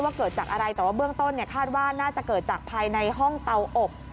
เกิดจากอะไรแต่ว่าเบื้องต้นคาดว่าน่าจะเกิดจากภายในห้องเตาอบ